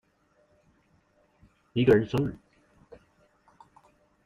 一個人生日